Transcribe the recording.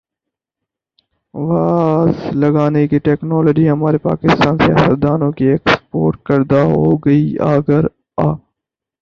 was لگانے کی technology ہمارے پاکستانی سیاستدا نوں کی ایکسپورٹ کردہ ہوگی اگر آ